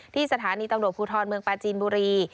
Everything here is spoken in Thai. ที่สถานีตำรวจภูทรเมืองปาจีนบุรี